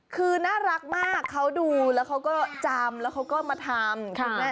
คือน่ารักมากเขาดูแล้วเขาก็จำแล้วเขาก็มาทำคุณแม่